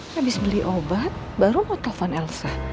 habis beli obat baru mau kafan elsa